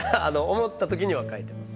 思った時には書いてます。